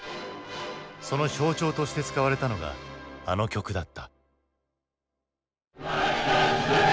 その象徴として使われたのがあの曲だった。